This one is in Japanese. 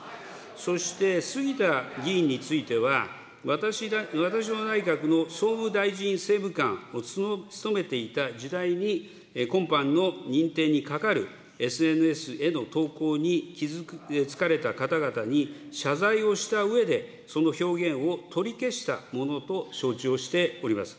そして杉田議員については、私の内閣の総務大臣政務官を務めていた時代に、今般の認定にかかるＳＮＳへの投稿に傷つかれた方々に謝罪をしたうえで、その表現を取り消したものと承知をしております。